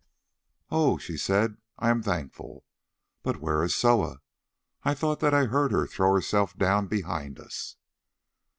"Oh!" she said, "I am thankful. But where is Soa? I thought that I heard her throw herself down behind us."